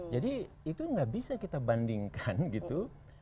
jadi itu gak bisa kita bandingkan gitu